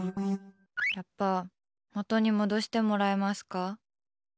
やっぱ元に戻してもらえますか？